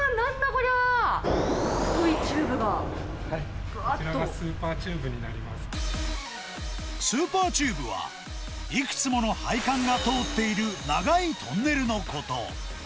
こちらがスーパーチューブにスーパーチューブは、いくつもの配管が通っている長いトンネルのこと。